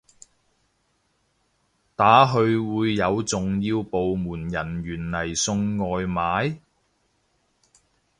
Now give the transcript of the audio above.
打去會有重要部門人員嚟送外賣？